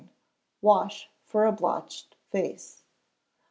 Wash for a Blotched Face.